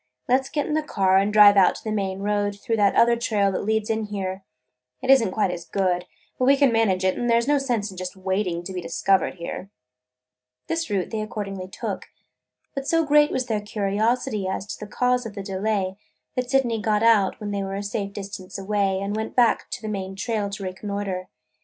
Let 's get in the car and drive out to the main road through that other trail that leads in here. It is n't quite as good, but we can manage it, and there 's no sense in just waiting to be discovered here." This route they accordingly took. But so great was their curiosity as to the cause of the delay, that Sydney got out, when they were a safe distance away, and went back on the main trail to reconnoiter.